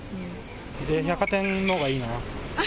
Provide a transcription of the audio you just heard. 百貨店のほうがいいな。